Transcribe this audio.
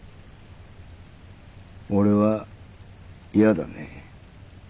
俺は嫌だね。